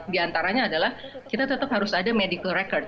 di antaranya adalah kita tetap harus ada medical record